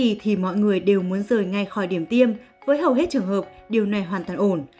khi tiêm mũi thứ ba mọi người đều muốn rời ngay khỏi điểm tiêm với hầu hết trường hợp điều này hoàn toàn ổn